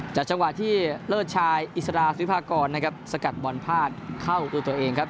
จังหวะที่เลิศชายอิสราฟิพากรนะครับสกัดบอลพลาดเข้าตัวตัวเองครับ